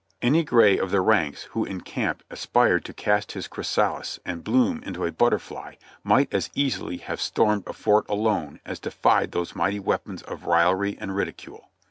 Any gray of the ranks who in camp aspired to cast his chrysalis and bloom into a butterfly might as easily have stormed a fort alone as defied those mighty weapons of raillery and ridicule.